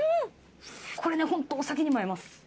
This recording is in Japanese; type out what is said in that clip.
これねホントお酒にも合います。